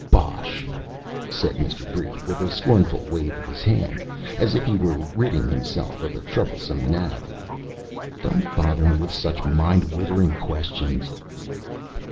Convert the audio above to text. "Bosh!" said Mr. Brief, with a scornful wave of his hand, as if he were ridding himself of a troublesome gnat. "Don't bother me with such mind withering questions."